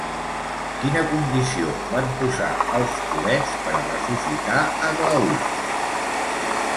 Quina condició van posar els Curets per a ressuscitar a Glauc?